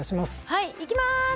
はいいきます！